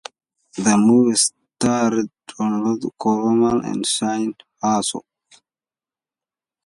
The movie starred Ronald Colman and Signe Hasso.